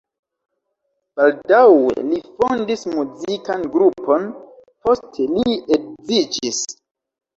Baldaŭe li fondis muzikan grupon, poste li edziĝis.